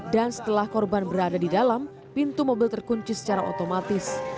dan setelah korban berada di dalam pintu mobil terkunci secara otomatis